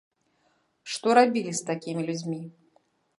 Што рабілі з такімі людзьмі?